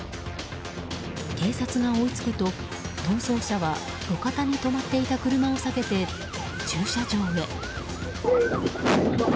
警察が追いつくと、逃走車は路肩に止まっていた車を避けて駐車場へ。